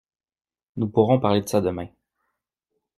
Nous pourrons parler de ça demain.